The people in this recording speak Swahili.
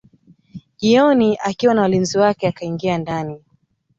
Jioni akiwa na walinzi wake akaingia ndani